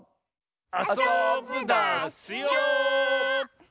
あそぶダスよ！